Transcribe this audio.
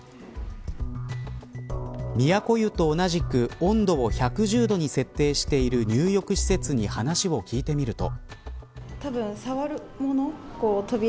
都湯と同じく温度を１１０度に設定している入浴施設に話を聞いてみると。